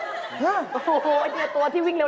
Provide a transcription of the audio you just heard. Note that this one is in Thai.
โอ้โฮไอ้เดี๋ยวตัวที่วิ่งเร็ว